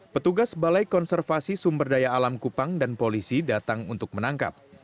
petugas balai konservasi sumber daya alam kupang dan polisi datang untuk menangkap